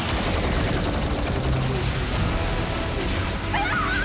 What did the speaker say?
うわ！